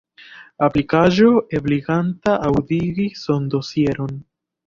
Aplikaĵo ebliganta aŭdigi sondosieron.